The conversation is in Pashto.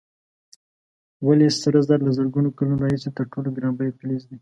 ولې سره زر له زرګونو کلونو راهیسې تر ټولو ګران بیه فلز دی؟